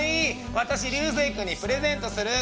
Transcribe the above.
私流星君にプレゼントする！」。